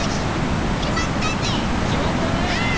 決まったね。